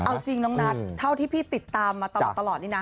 เอาจริงน้องนัทเท่าที่พี่ติดตามมาตลอดนี่นะ